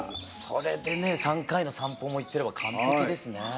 それでね３回の散歩も行ってれば完璧ですね。